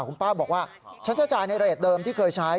คุณป้าบอกว่าฉันจะจ่ายในเรทเดิมที่เคยใช้